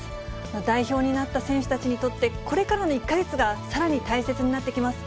代表になった選手たちにとって、これからの１か月がさらに大切になってきます。